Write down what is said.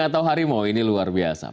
atau harimau ini luar biasa